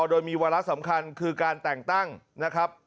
โดยมีวาระสำคัญคือการแต่งตั้งนะครับ